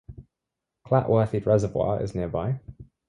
Clatworthy Reservoir is nearby.